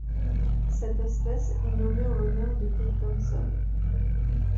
Cette espèce est nommée en l'honneur de Kay Thompson.